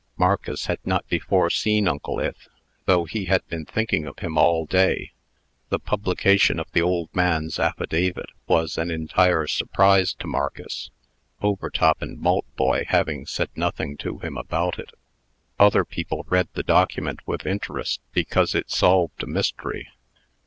Marcus had not before seen Uncle Ith, though he had been thinking of him all day. The publication of the old man's affidavit was an entire surprise to Marcus Overtop and Maltboy having said nothing to him about it. Other people read the document with interest, because it solved a mystery.